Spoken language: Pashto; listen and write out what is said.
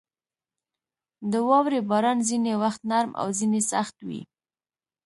• د واورې باران ځینې وخت نرم او ځینې سخت وي.